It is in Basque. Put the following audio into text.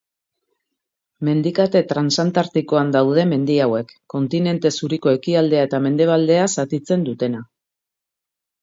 Mendikate transantartikoan daude mendi hauek, kontinente zuriko ekialdea eta mendebaldea zatitzen dutena.